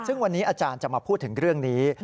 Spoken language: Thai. ซึ่งวันนี้อาจารย์จะมาพูดถึงเรื่องนี้